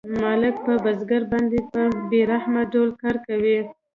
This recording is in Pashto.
مالک په بزګر باندې په بې رحمانه ډول کار کوي